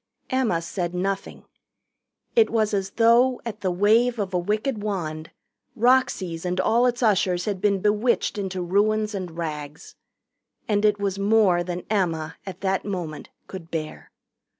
Emma said nothing. It was as though, at the wave of a wicked wand, Roxy's and all its ushers had been bewitched into ruins and rags. And it was more than Emma, at that moment, could bear.